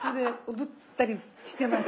踊ったりしてます。